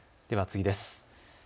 では次です。